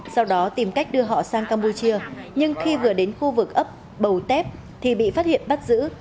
sau đó tìm cách đưa họ sang campuchia nhưng khi vừa đến khu vực ấp bầu tép thì bị phát hiện bắt giữ